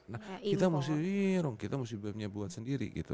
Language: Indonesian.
nah kita mesti wih dong kita mesti punya buat sendiri gitu